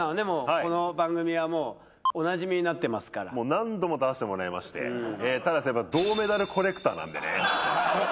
もうこの番組はもうおなじみになってますからもう何度も出させてもらいましてただしやっぱ銅メダルコレクターなんでね